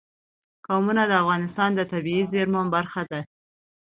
قومونه د افغانستان د طبیعي زیرمو برخه ده.